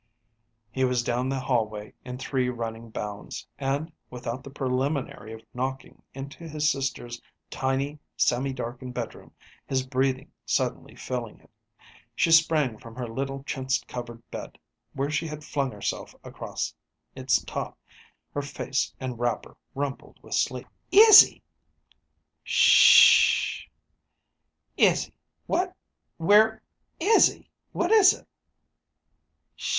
He was down the hallway in three running bounds and, without the preliminary of knocking, into his sister's tiny, semi darkened bedroom, his breathing suddenly filling it. She sprang from her little chintz covered bed, where she had flung herself across its top, her face and wrapper rumpled with sleep. "Izzy!" "'Sh h h!" "Izzy, what where Izzy, what is it?"